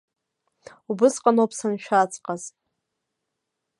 Убысҟаноуп саншәаҵәҟаз.